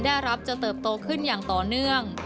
ได้รับจะเติบโตขึ้นอย่างต่อเนื่อง